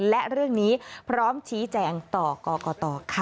และเรื่องนี้พร้อมชี้แจงต่อกรกตค่ะ